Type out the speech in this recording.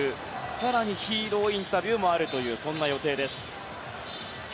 更にヒーローインタビューもあるという予定です。